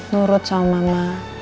nurut sama mama